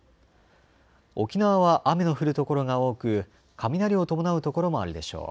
沖縄は雨の降る所が多く雷を伴う所もあるでしょう。